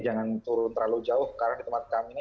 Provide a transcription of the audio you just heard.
jangan turun terlalu jauh karena di tempat kami ini